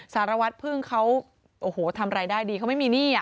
สารวัตรพึ่งเขาโอ้โหทำรายได้ดีเขาไม่มีหนี้